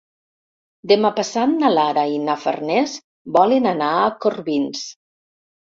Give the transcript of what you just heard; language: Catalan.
Demà passat na Lara i na Farners volen anar a Corbins.